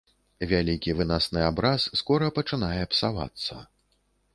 Вялізны вынасны абраз скора пачынае псавацца.